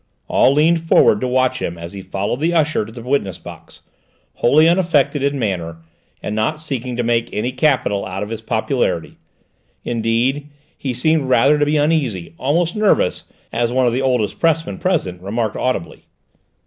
All leaned forward to watch him as he followed the usher to the witness box, wholly unaffected in manner and not seeking to make any capital out of his popularity. Indeed, he seemed rather to be uneasy, almost nervous, as one of the oldest pressmen present remarked audibly.